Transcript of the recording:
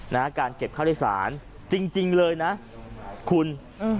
นะฮะการเก็บค่าโดยสารจริงจริงเลยนะคุณอืม